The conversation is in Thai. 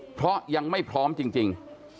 เพราะยังไม่พร้อมจริง